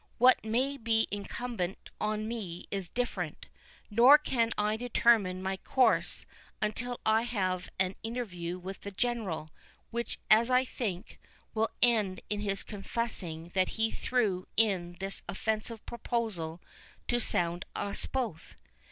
What may be incumbent on me is different, nor can I determine my course until I have an interview with the General, which, as I think, will end in his confessing that he threw in this offensive proposal to sound us both.